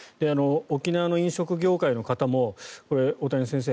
沖縄の飲食業界の方もこれ、大谷先生